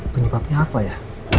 penyebabnya apa ya